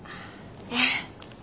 ええ。